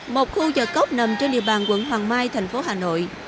một khu chợ cóc nằm trên địa bàn quận hoàng mai thành phố hà nội